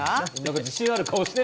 自信ある顔してる！